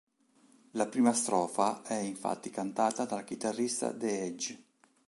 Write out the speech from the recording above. La prima strofa è infatti cantata dal chitarrista The Edge.